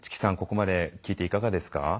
ここまで聞いていかがですか？